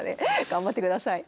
頑張ってください。